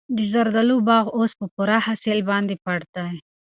د زردالو باغ اوس په پوره حاصل باندې پټ دی.